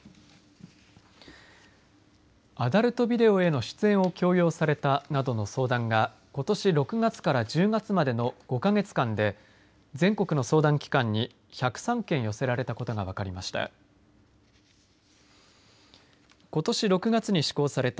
アダルトビデオへの出演を強要されたなどの相談がことし６月から１０月までの５か月間で全国の相談機関に１０３件寄せられたことが分かりました。